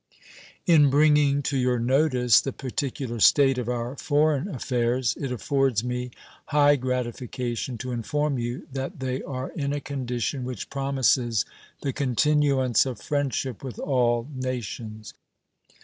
In bringing to your notice the particular state of our foreign affairs, it affords me high gratification to inform you that they are in a condition which promises the continuance of friendship with all nations.